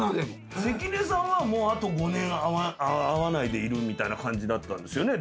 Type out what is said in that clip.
関根さんはもうあと５年会わないでいるみたいな感じだったんですよね？